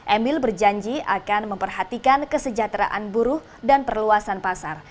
emil berjanji akan memperhatikan kesejahteraan buruh dan perluasan pasar